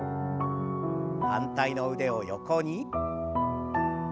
反対の腕を横に。